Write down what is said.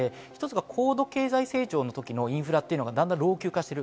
高度経済成長の時のインフラが、だんだん老朽化している。